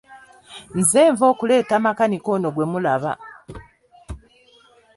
Nze nva okuleeta makanika ono gwe mulaba!